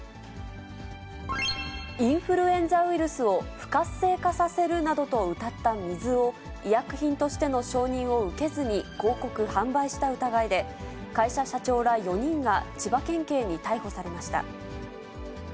インフルエンザウイルスを不活性化させるなどとうたった水を、医薬品としての承認を受けずに広告・販売した疑いで、会社社長ら４人が千葉県警に逮捕されました。